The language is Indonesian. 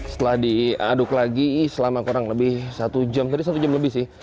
setelah diaduk lagi selama kurang lebih satu jam tadi satu jam lebih sih